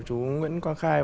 chú nguyễn quang khai